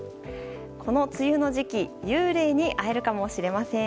この梅雨の時期幽霊に会えるかもしれません。